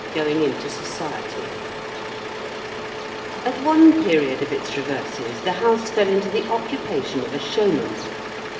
GOING INTO SOCIETY At one period of its reverses, the House fell into the occupation of a Showman.